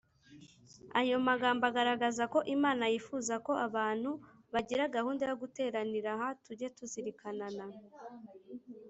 Ayo magambo agaragaza ko Imana yifuza ko abantu bagira gahunda yo guteranira ha Tujye tuzirikanana